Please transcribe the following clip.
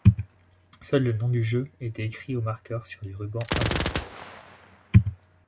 Seul le nom du jeu était écrit au marqueur sur du ruban adessif.